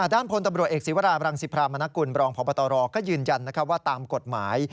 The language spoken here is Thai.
ด้านพลตำรวจเอกศิวราบรังสิพรามนกุลบรองพบตรก็ยืนยันว่าตามกฎหมาย